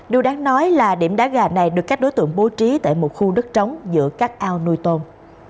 điều đáng nói là điểm đá gà này được các đối tượng bố trí tại một khu đất trống giữa các ao nuôi tôm